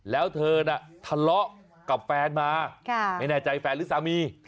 แล้วเธอน่ะทะเลาะกับแฟนมาไม่แน่ใจแฟนหรือสามี